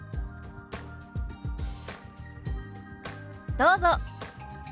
どうぞ。